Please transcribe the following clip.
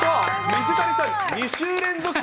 水谷さん。